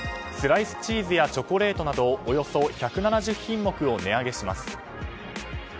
スライスチーズやチョコレートなどおよそ１７０品目を値上げします。